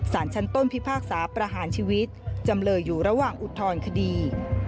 สารชั้นต้นพิพากษาประหารชีวิตจำเลยอยู่ระหว่างอุทธรณคดี